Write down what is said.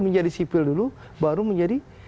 menjadi sipil dulu baru menjadi